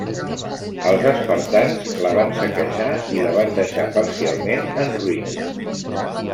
Els espartans la van saquejar i la van deixar parcialment en ruïnes.